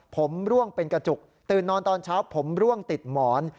ผมร่วงเป็นกระจุกตื่นนอนตอนเช้าผมร่วงติดหมอน